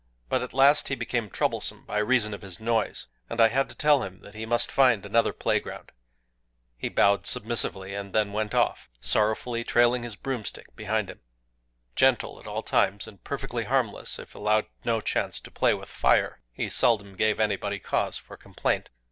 But at last he became troublesome by reason of his noise; and I had to tell him that he must find another playground. He bowed submissively, and then went off,—sorrowfully trailing his broomstick behind him. Gentle at all times, and perfectly harmless if allowed no chance to play with fire, he seldom gave anybody cause for complaint.